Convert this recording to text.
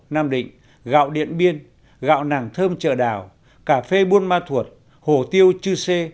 nam định gạo điện biên gạo nàng thơm chợ đào cà phê buôn ma thuột hồ tiêu chư sê